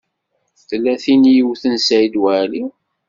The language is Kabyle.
Tella tin i yewten Saɛid Waɛli?